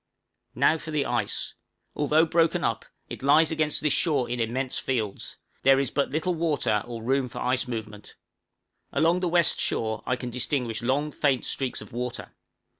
Now for the ice. Although broken up, it lies against this shore in immense fields: there is but little water or room for ice movement. Along the west shore I can distinguish long faint streaks of water.